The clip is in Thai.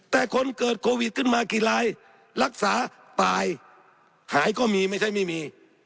แต่คนเกิดโควิดขึ้นมากี่รายรักษาตายหายก็มีไม่ใช่ไม่มี